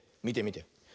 みてみて。